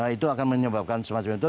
itu akan menyebabkan semacam itu